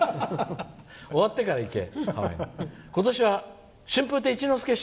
終わってから行け。